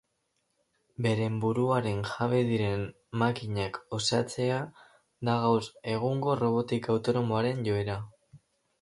Beren buruaren jabe diren makinak osatzea da gaur egungo robotika autonomoaren joera.